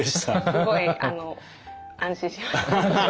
すごい安心しました。